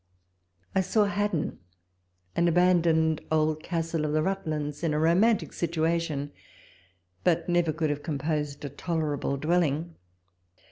I saw Haddon, an abandoned old castle of the Rut lands, in a romantic situation, but which never could have composed a tolerable dwelling.